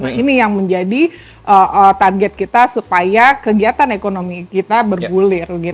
nah ini yang menjadi target kita supaya kegiatan ekonomi kita bergulir